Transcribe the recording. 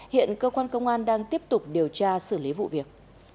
hiện cơ quan công an đang tiếp tục điều tra xử lý vụ việc